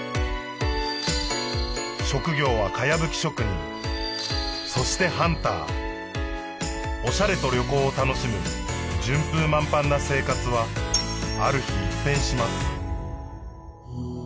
職業は茅葺職人そしてハンターおしゃれと旅行を楽しむ順風満帆な生活はある日一変します